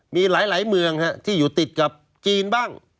มีหลายเมืองที่อยู่ติดกับจีนบ้าง